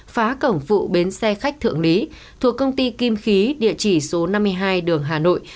phá cổng vụ bến xe khách thượng lý thuộc công ty kim khí địa chỉ số năm mươi hai đường hà nội